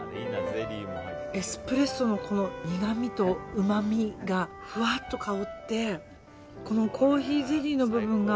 エスプレッソのこの苦みとうまみがふわっと香ってコーヒーゼリーの部分が